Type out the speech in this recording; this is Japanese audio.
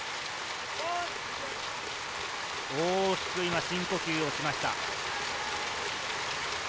大きく今、深呼吸をしました。